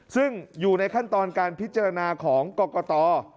ซึ่งอยู่ในขั้นตอนการพิจารณาของกรกต